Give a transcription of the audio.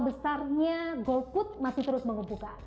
besarnya golput masih terus mengebuka